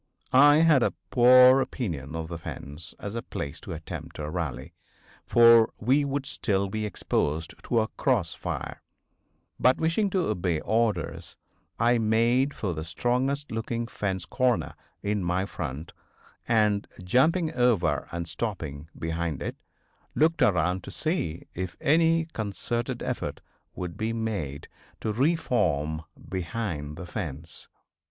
I had a poor opinion of the fence as a place to attempt a rally, for we would still be exposed to a cross fire, but wishing to obey orders I made for the strongest looking fence corner in my front, and, jumping over and stopping behind it, looked around to see if any concerted effort would be made to reform behind the fence.